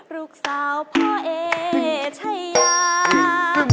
ลูกสาวพ่อเอชายา